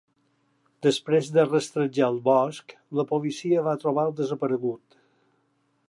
Després de rastrejar el bosc, la policia va trobar el desaparegut.